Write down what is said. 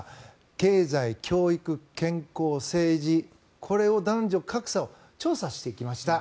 経済、教育、健康、政治この男女格差を調査していきました。